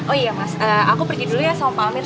oh iya mas aku pergi dulu ya sama pak amir